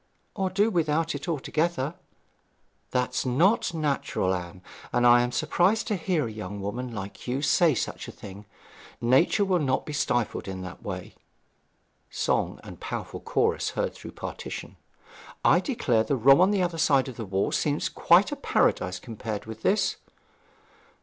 'Or do without it altogether.' 'That's not natural, Anne; and I am surprised to hear a young woman like you say such a thing. Nature will not be stifled in that way. ...' (Song and powerful chorus heard through partition.) 'I declare the room on the other side of the wall seems quite a paradise compared with this.'